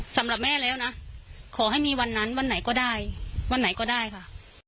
สำหรับแม่แล้วนะขอให้มีวันนั้นวันไหนก็ได้วันไหนก็ได้ค่ะ